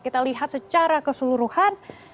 kita lihat secara keseluruhan